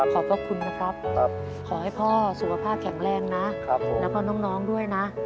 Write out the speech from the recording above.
ขอบพระคุณนะครับขอให้พ่อสุขภาพแข็งแรงนะแล้วก็น้องด้วยนะ